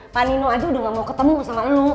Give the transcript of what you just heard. pak nino aja udah gak mau ketemu sama lo